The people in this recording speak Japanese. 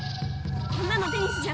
こんなのテニスじゃない！